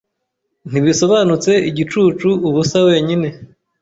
Ntibisobanutse igicucu ubusa wenyine